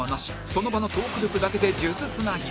その場のトーク力だけで数珠つなぎ